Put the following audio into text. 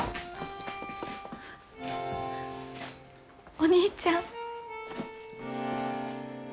お兄ちゃん。